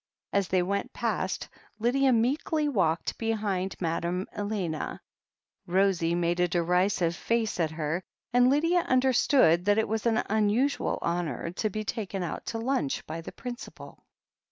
As they went past, Lydia meekly walking behind Madame Elena, Rosie made a derisive face at her, and Lydia understood that it was an unusual honour to be taken out to lunch by the principal.